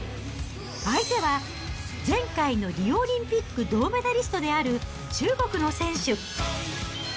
相手は前回のリオオリンピック銅メダリストである中国の選手。